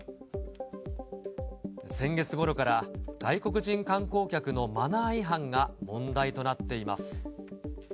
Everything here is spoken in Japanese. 先月ごろから、外国人観光客のマナー違反が問題となっています。